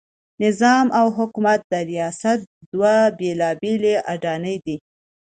نظام او حکومت د ریاست دوه بېلابېلې اډانې دي.